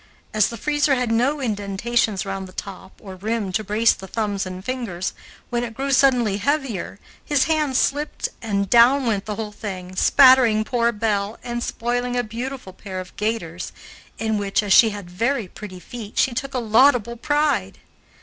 As the freezer had no indentations round the top or rim to brace the thumbs and fingers, when it grew suddenly heavier his hands slipped and down went the whole thing, spattering poor Belle and spoiling a beautiful pair of gaiters in which, as she had very pretty feet, she took a laudable pride.